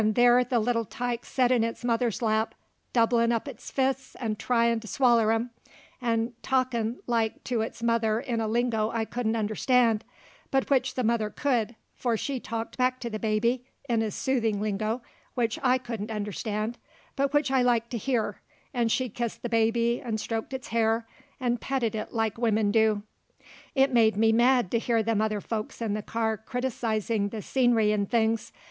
And there the little tyke set in its mother's lap, doublin' up its fists 'nd tryin' to swaller 'em, 'nd talkin' like to its mother in a lingo I couldn't understan', but which the mother could, for she talked back to the baby in a soothin' lingo which I couldn't understand, but which I liked to hear, 'nd she kissed the baby 'nd stroked its hair 'nd petted it like wimmin do. It made me mad to hear them other folks in the car criticizin' the scenery 'nd things.